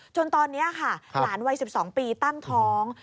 จนตอนนี้ค่ะหลานวัย๑๒ปีตั้งท้อง